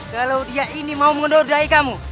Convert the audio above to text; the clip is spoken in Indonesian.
kalau dia ini mau mengundur dari kamu